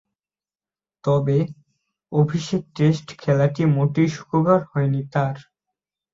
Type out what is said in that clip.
তবে, অভিষেক টেস্ট খেলাটি মোটেই সুখকর হয়নি তার।